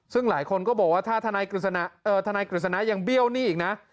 ซึ่งหลายคนก็บอกว่าถ้าทนายกฤษณะยังเบี้ยวหนี้อีกนะ